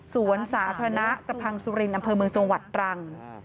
สวนสาธารณะกระพังสุรินอำเภอเมืองจังหวัดตรัง